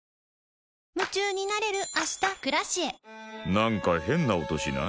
なんか変な音しない？